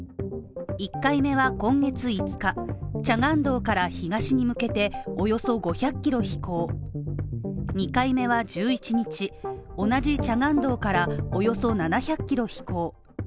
１回目は今月５日チャガン道から東に向けておよそ５００キロ飛行２回目は１１日、同じチャガン道からおよそ７００キロ飛行。